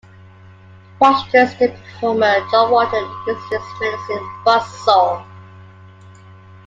Washington state performer John Walton uses his menacing Buzz Saw.